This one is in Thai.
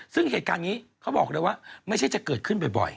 ซึ่งเหตุการณ์นี้เขาบอกเลยว่าไม่ใช่จะเกิดขึ้นบ่อย